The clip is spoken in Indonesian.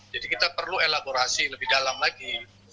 jadi kita perlu elaborasi lebih dalam lagi